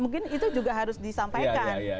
mungkin itu juga harus disampaikan